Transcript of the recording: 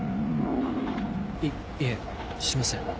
いいえしません。